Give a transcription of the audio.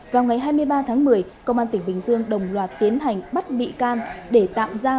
vào ngày hai mươi ba tháng một mươi công an tỉnh bình dương đồng loạt tiến hành bắt bị can để tạm giam